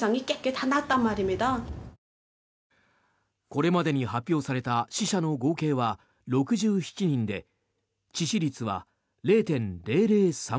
これまでに発表された死者の合計は６７人で致死率は０．００３％。